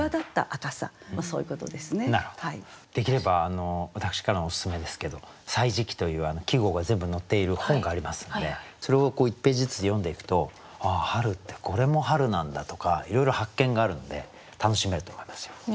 できれば私からのおすすめですけど「歳時記」という季語が全部載っている本がありますのでそれを１ページずつ読んでいくとああ春ってこれも春なんだとかいろいろ発見があるので楽しめると思いますよ。